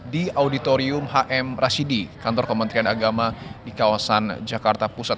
di auditorium hm rashidi kantor kementerian agama di kawasan jakarta pusat